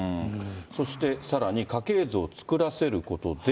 そしてさらに家系図を作らせることで。